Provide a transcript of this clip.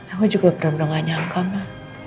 aku juga benar benar gak nyangka ma